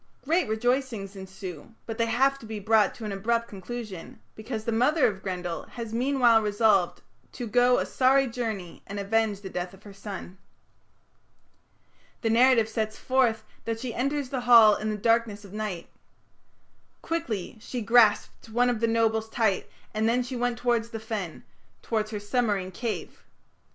Great rejoicings ensue, but they have to be brought to an abrupt conclusion, because the mother of Grendel has meanwhile resolved "to go a sorry journey and avenge the death of her son". The narrative sets forth that she enters the Hall in the darkness of night. "Quickly she grasped one of the nobles tight, and then she went towards the fen", towards her submarine cave.